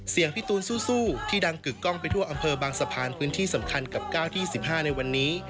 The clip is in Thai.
พี่ตูนสู้ที่ดังกึกกล้องไปทั่วอำเภอบางสะพานพื้นที่สำคัญกับ๙๒๕ในวันนี้